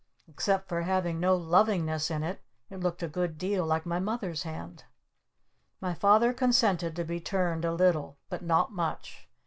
Except for having no lovingness in it, it looked a good deal like my Mother's hand. My Father consented to be turned a little! But not much!